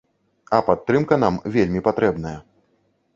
А падтрымка нам вельмі патрэбная!